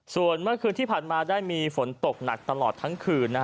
ส่วนเมื่อคืนที่ผ่านมาได้มีฝนตกหนักตลอดทั้งคืน